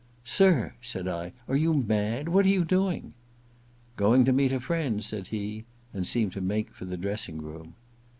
* Sir,' said I, * are you mad ? What are you doing ?'' Going to meet a friend/ said he, and seemed to make for the dressing room.